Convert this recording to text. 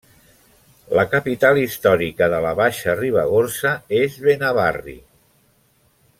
La capital històrica de la Baixa Ribagorça és Benavarri.